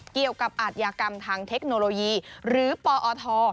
เกี่ยวกับอาทยากรรมทางเทคโนโลยีหรือปอท